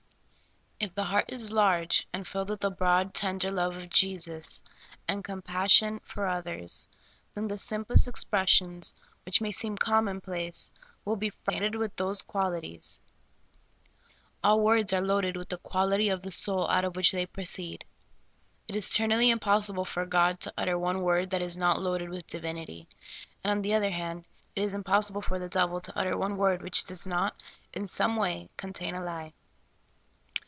If the heart is large and filled with the broad, tender love of Jesus, and compassion for others, then the simplest expressions, which may seem common place, will be freighted with these qual ities. All words are loaded with the quality of the soul out of which they proceed. It is eternally impos sible for God to utter one word that is not loaded with divinity ; and, on the other hand, it is impossible for the devil to utter one word which does not, in some LOADED WORDS. 1 5 way, contain a lie.